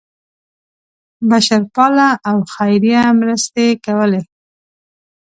بشرپاله او خیریه مرستې کولې.